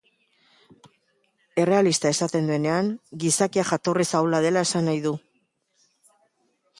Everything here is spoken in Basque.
Errealista esaten duenean, gizakia jatorriz ahula dela esan nahi du.